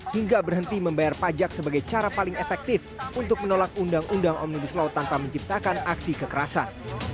hingga berhenti membayar pajak sebagai cara paling efektif untuk menolak undang undang omnibus law tanpa menciptakan aksi kekerasan